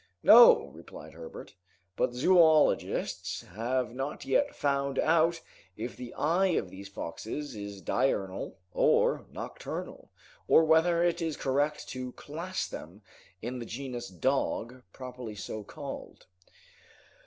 "No," replied Herbert; "but zoologists have not yet found out if the eye of these foxes is diurnal or nocturnal, or whether it is correct to class them in the genus dog, properly so called."